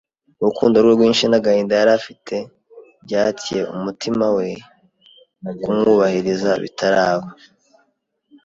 urukundo rwe rwinshi n'agahinda yari afite byatcye umutima we kumwubahiriza bitaraba